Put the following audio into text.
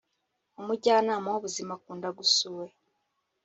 umujyanama w'ubuzima akunda gusura